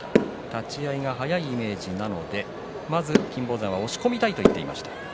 立ち合いが速いイメージなのでまず金峰山は押し込みたいと言っていました。